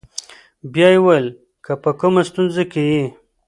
بیا یې وویل: که په کومه ستونزه کې یې.